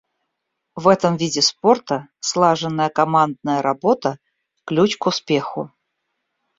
В этом виде спорта слаженная командная работа — ключ к успеху.